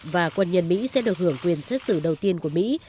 và quân nhân mỹ sẽ được hưởng quyền xét xử đầu tiên của mỹ